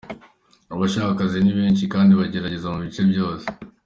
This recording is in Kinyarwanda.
Abashaka akazi ni benshi kandi bagerageza mu bice byose.